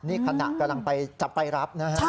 นี่ขณะกำลังจะไปรับนะครับ